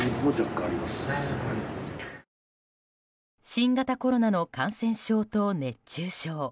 新型コロナの感染症と熱中症。